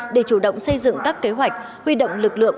để chủ động xây dựng các kế hoạch huy động lực lượng